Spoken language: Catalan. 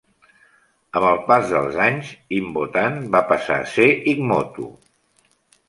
Amb el pas dels anys, Himbotan va passar a ser Higmoto.